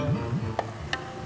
neng mau main kemana